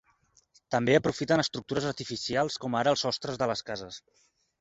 També aprofiten estructures artificials com ara els sostres de les cases.